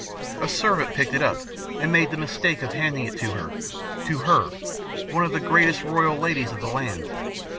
A servant picked it up and made the mistake of handing it to her to her, one of the greatest royal ladies of the land!